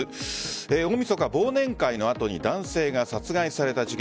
大晦日、忘年会の後に男性が殺害された事件。